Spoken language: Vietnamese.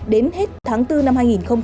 đến hết tháng bốn năm hai nghìn hai mươi